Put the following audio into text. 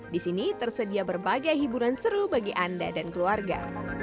di sini tersedia berbagai hiburan seru bagi anda dan keluarga